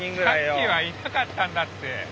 さっきはいなかったんだって。